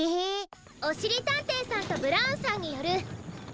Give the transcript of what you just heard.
おしりたんていさんとブラウンさんによるえんしんかそくき